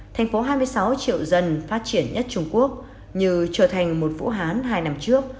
thành phố hai mươi sáu triệu dân phát triển nhất trung quốc như trở thành một vũ hán hai năm trước